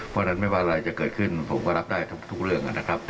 เพราะฉะนั้นไม่ว่าอะไรจะเกิดขึ้นผมก็รับได้ทุกเรื่องนะครับ